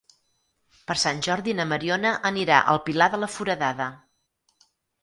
Per Sant Jordi na Mariona anirà al Pilar de la Foradada.